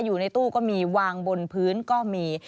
อยู่ในตู้ก็มีวางบนพื้นก็มี